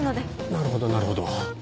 なるほどなるほど。